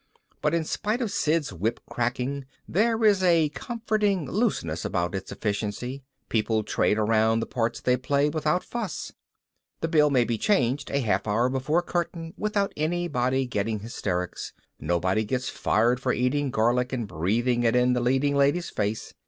But in spite of Sid's whip cracking there is a comforting looseness about its efficiency people trade around the parts they play without fuss, the bill may be changed a half hour before curtain without anybody getting hysterics, nobody gets fired for eating garlic and breathing it in the leading lady's face.